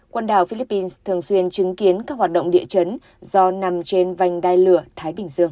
quần đảo philippines thường xuyên chứng kiến các hoạt động địa chấn do nằm trên vành đai lửa thái bình dương